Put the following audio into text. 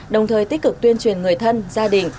đồng thời tích cực tuyên truyền người thân gia đình